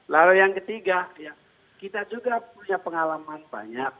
lalu yang ketiga kita juga punya pengalaman banyak